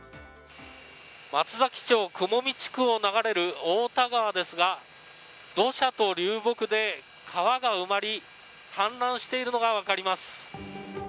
松崎町雲見地区を流れる太田川ですが土砂と流木で川が埋まり氾濫しているのが分かります。